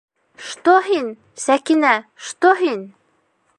Что һин, Сәкинә, что һин!